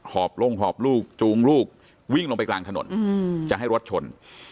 อบลงหอบลูกจูงลูกวิ่งลงไปกลางถนนจะให้รถชน